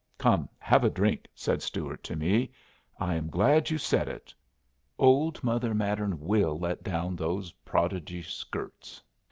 "Come have a drink," said Stuart to me. "I am glad you said it. Old Mother Mattern will let down those prodigy skirts.